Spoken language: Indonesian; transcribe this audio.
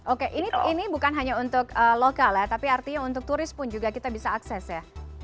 oke ini bukan hanya untuk lokal ya tapi artinya untuk turis pun juga kita bisa akses ya